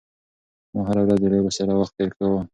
ما هره ورځ د لوبو سره وخت تېراوه.